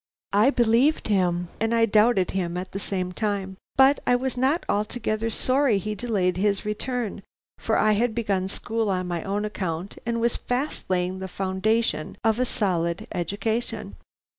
I believed him and I doubted him at the same time, but I was not altogether sorry he delayed his return for I had begun school on my own account and was fast laying the foundation of a solid education.